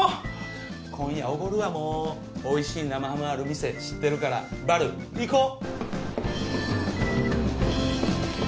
今夜おごるわもうおいしい生ハムある店知ってるからバル行こう！